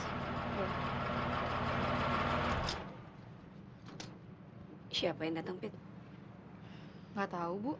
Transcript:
hai siapain datang pet